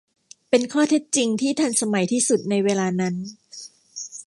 เป็นข้อเท็จจริงที่ทันสมัยที่สุดในเวลานั้น